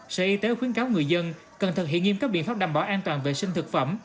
sở y tế khuyến cáo người dân cần thực hiện nghiêm các biện pháp đảm bảo an toàn vệ sinh thực phẩm